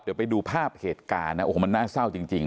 เดี๋ยวไปดูภาพเหตุการณ์นะโอ้โหมันน่าเศร้าจริง